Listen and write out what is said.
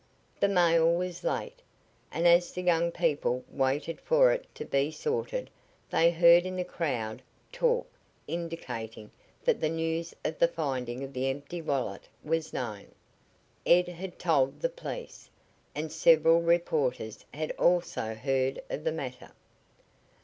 The mail was late, and as the young people waited for it to be sorted they heard in the crowd talk indicating that the news of the finding of the empty wallet was known. Ed had told the police, and several reporters had also heard of the matter.